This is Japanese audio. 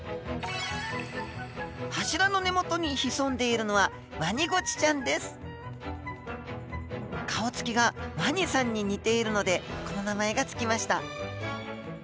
柱の根元に潜んでいるのは顔つきがワニさんに似ているのでこの名前が付きました。